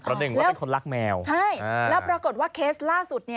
หนึ่งว่าเป็นคนรักแมวใช่แล้วปรากฏว่าเคสล่าสุด